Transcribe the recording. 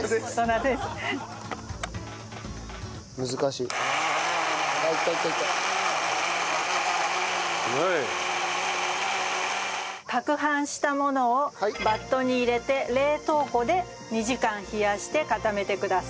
攪拌したものをバットに入れて冷凍庫で２時間冷やして固めてください。